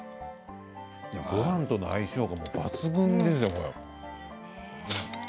ごはんとの相性が抜群ですよ。